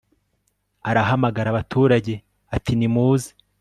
arahamagara abaturage atinimuze